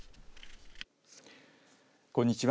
こんにちは。